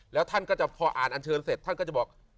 แล้วท่านก็จะพออ่านอันเชิญเสร็จท่านก็จะบอก